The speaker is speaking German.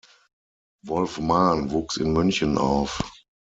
Wolf Maahn wuchs in München auf.